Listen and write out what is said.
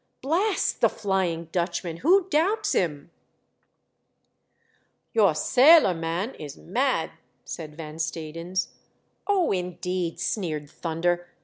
" Blast the Flying Dutchman ! who doubts him ?"" Your sailor man is mad," said Van Stadens, " Oh, indeed," sneered Thunder.